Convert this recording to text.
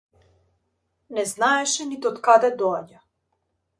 Не знаеше ниту од каде доаѓа.